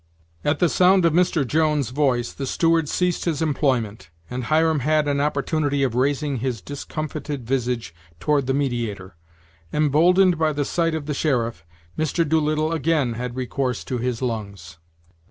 At the sound of Mr. Jones' voice, the steward ceased his employment, and Hiram had an opportunity of raising his discomfited visage toward the mediator. Emboldened by the sight of the sheriff, Mr. Doolittle again had recourse to his lungs.